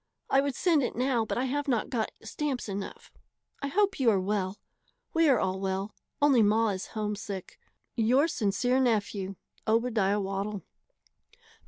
I would send it now but I have not got stamps enough. I hope you are well. We are all well, only ma is homesick. Your sincere nephew, OBADIAH WADDLE.